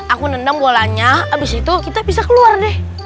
aku nendang bolanya abis itu kita bisa keluar deh